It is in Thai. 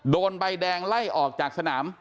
โดนใบแดงไล่ออกจากสนาม